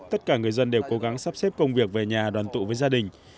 tất cả người dân đều cố gắng sắp xếp công việc về nhà đoàn tụ với gia đình